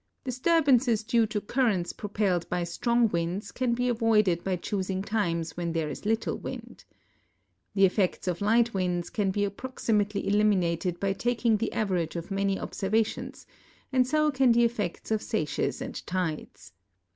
Disturbances due to currents propelled by strong winds can be avoided by choosing times when there is little wind. The effects of light winds can be approximately eliminated by taking the average of many obser vations, and so can the effects of seiches and tides.